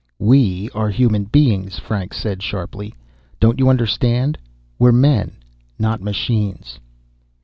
"We are human beings," Franks said sharply. "Don't you understand? We're men, not machines."